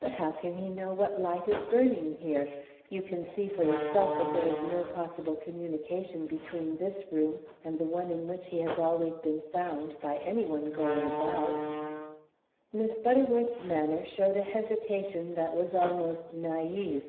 "But how can he know what light is burning here? You can see for yourself that there is no possible communication between this room and the one in which he has always been found by any one going above." Miss Butterworth's manner showed a hesitation that was almost naive.